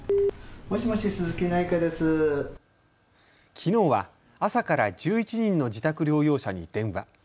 きのうは朝から１１人の自宅療養者に電話。